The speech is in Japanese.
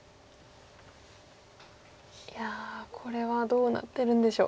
いやこれはどうなってるんでしょう。